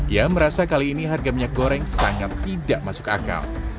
ia merasa kali ini harga minyak goreng sangat tidak masuk akal